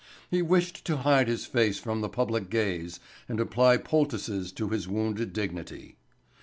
He wished to hide his face from the public gaze and apply poultices to his wounded dignity.